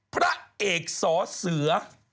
พระเอกสอเสือ